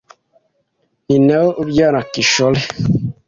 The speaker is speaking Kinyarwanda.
ni nawe ubyara Kishore